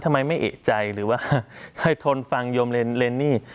ทำไมไม่เอกใจหรือว่าเคยทนฟังโยมเรนนี่